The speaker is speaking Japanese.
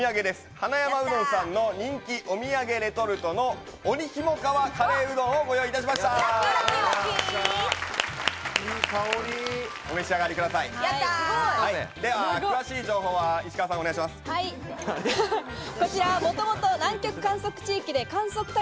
花山うどんさんの人気お土産、レトルトの鬼ひも川カレーうどんをご用意しました。